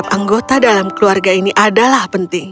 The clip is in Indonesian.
anggota dalam keluarga ini adalah penting